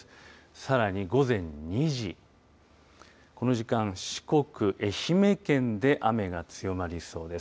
さらに午前２時この時間、四国愛媛県で雨が強まりそうです。